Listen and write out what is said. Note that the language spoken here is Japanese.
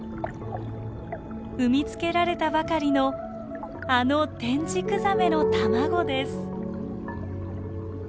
産みつけられたばかりのあのテンジクザメの卵です。